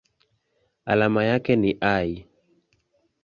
Alama yake ni Al.